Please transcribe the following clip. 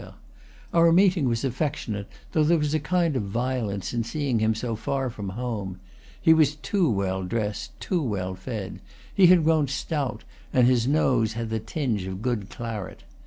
Our meeting was affectionate, though there was a kind of violence in seeing him so far from home. He was too well dressed, too well fed; he had grown stout, and his nose had the tinge of good claret.